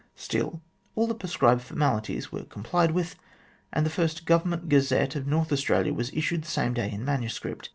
Still all the prescribed formalities were complied with, and the first Government Gazette of North Australia was issued the same day in manuscript.